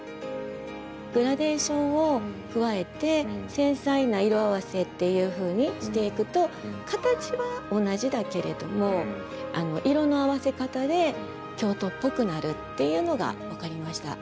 グラデーションを加えて繊細な色合わせというふうにしていくと形は同じだけれども色の合わせ方で京都っぽくなるというのが分かりました。